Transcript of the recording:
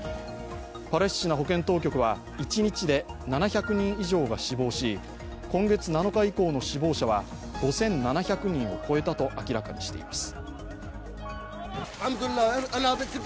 パレスチナ保健当局は一日で７００人以上が死亡し、今月７日以降の死亡者は５７００人を超えたと明らかにしています。